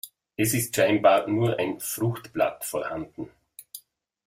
Es ist scheinbar nur ein Fruchtblatt vorhanden.